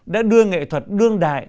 đã đưa nghệ thuật đương đại